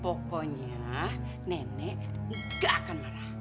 pokoknya nenek gak akan marah